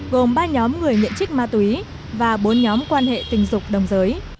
gồm ba nhóm người nhận trích ma túy và bốn nhóm quan hệ tình dục đồng giới